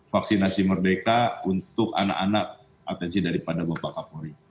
vaksinasi merdeka untuk anak anak atensi daripada bapak kapolri